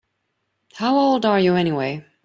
How old are you anyway?